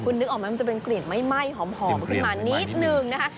คุณนึกออกไหมมันจะเป็นกลิ่นไหม้หอมขึ้นมานิดนึงนะคะ